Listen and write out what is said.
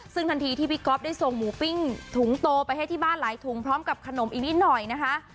ซึ่งทันทีที่พี่ก๊อฟได้ส่งหมูปิ้งถุงโตไปให้ที่บ้านหลายถุงพร้อมกับขนมอีกนิดหน่อยนะคะ